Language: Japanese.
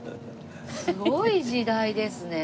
すごい時代ですね。